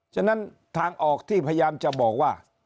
ฉะนั้นทางออกที่พยายามจะบอกว่า